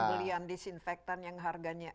pembelian disinfektan yang harganya